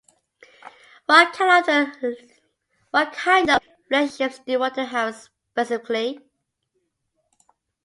What kind of relationships do you want to have specifically?